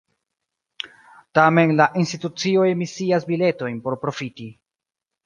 Tamen, la institucioj emisias biletojn por profiti.